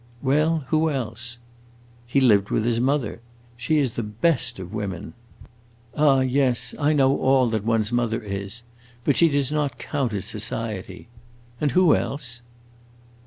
"Well, who else?" "He lived with his mother. She is the best of women." "Ah yes, I know all that one's mother is. But she does not count as society. And who else?"